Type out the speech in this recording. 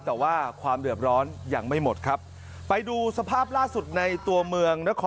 แต่ว่าความเดือดร้อนยังไม่หมดครับไปดูสภาพล่าสุดในตัวเมืองนคร